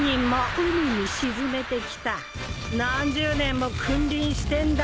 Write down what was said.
何十年も君臨してんだ